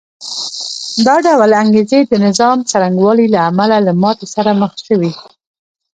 دا ډول انګېزې د نظام څرنګوالي له امله له ماتې سره مخ شوې